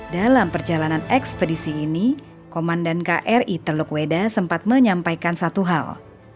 dalam perjalanan ekspedisi ini komandan kri teluk weda sempat menyampaikan satu hal